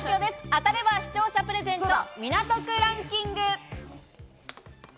当たれば視聴者プレゼント、港区ランキング。